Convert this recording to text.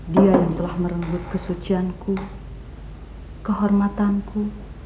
dia yang telah merenggut kesucianku kehormatanku